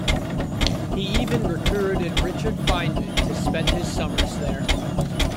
He even recruited Richard Feynman to spend his summers there.